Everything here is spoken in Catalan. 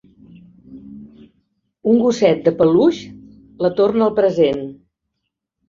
Un gosset de peluix la torna al present.